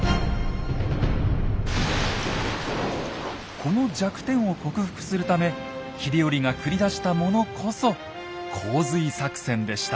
この弱点を克服するため秀頼が繰り出したものこそ洪水作戦でした。